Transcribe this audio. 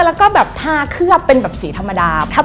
แล้วก็ทาเคลือบเป็นสีธรรมดา